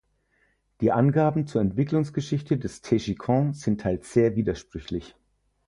Die Angaben zur Entwicklungsgeschichte des Taijiquan sind teils sehr widersprüchlich.